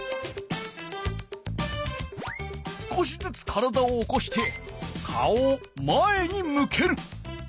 少しずつ体を起こして顔を前に向ける。